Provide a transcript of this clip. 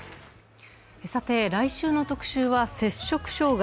来週の特集は摂食障害。